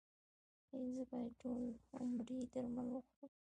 ایا زه باید ټول عمر درمل وخورم؟